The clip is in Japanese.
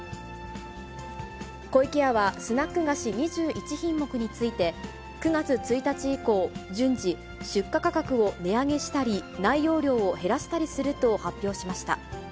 湖池屋は、スナック菓子２１品目について、９月１日以降、順次、出荷価格を値上げしたり、内容量を減らしたりすると発表しました。